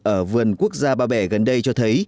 ở vườn quốc gia ba bể gần đây cho thấy